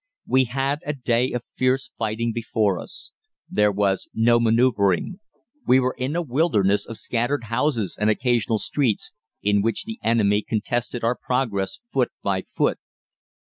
"We had a day of fierce fighting before us. There was no manoeuvring. We were in a wilderness of scattered houses and occasional streets, in which the enemy contested our progress foot by foot.